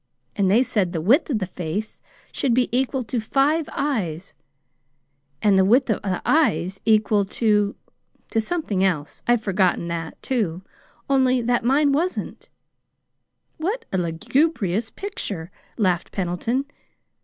And they said the width of the face should be equal to five eyes, and the width of the eyes equal to to something else. I've forgotten that, too only that mine wasn't." "What a lugubrious picture!" laughed Pendleton.